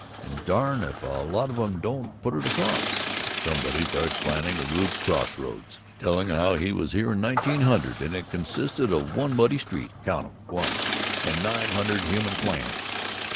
And darn if a lot of 'em don't put it across! Somebody starts panning a rube crossroads, telling how he was there in 1900 and it consisted of one muddy street, count 'em, one, and nine hundred human clams.